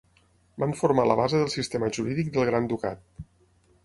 Van formar la base del sistema jurídic del Gran Ducat.